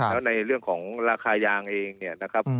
แล้วในเรื่องของราคายางเองเนี่ยนะครับ